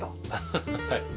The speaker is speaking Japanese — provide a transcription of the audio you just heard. ハハハはい。